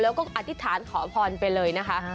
แล้วก็อธิษฐานขอพรไปเลยนะคะ